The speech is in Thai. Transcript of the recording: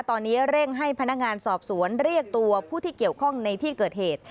ตอนนี้เร่งให้พนักงานสอบสวนเรียกตัวผู้ที่เกี่ยวข้องในที่เกิดเหตุ